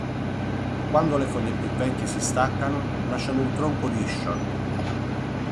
Quando le foglie più vecchie si staccano lasciano il tronco liscio.